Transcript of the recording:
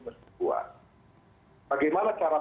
berkekuatan bagaimana cara